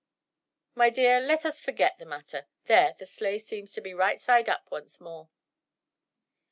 My dear, let us forget the matter. There, the sleigh seems to be right side up once more."